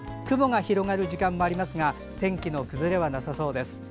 雲が広がる時間もありますが天気の崩れはなさそうです。